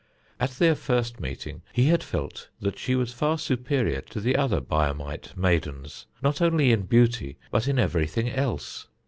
At their first meeting he had felt that she was far superior to the other Biamite maidens, not only in beauty but in everything else.